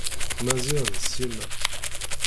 Maziɣ d Sima.